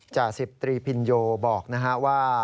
จ่าสิบตรีพิญโยบอกนะฮะว่า